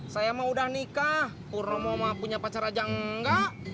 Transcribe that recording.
saya mah udah nikah purnomo punya pacar aja enggak